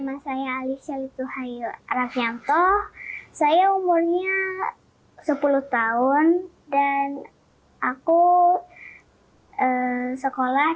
nama saya alisya litu hayo rakyat oh saya umurnya sepuluh tahun dan aku sekolah